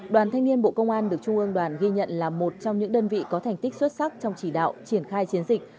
đoàn thanh niên bộ công an được trung ương đoàn ghi nhận là một trong những đơn vị có thành tích xuất sắc trong chỉ đạo triển khai chiến dịch